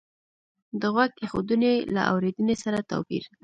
د غوږ ایښودنې له اورېدنې سره توپیر